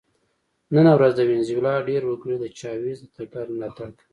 نن ورځ د وینزویلا ډېر وګړي د چاوېز د تګلارې ملاتړ کوي.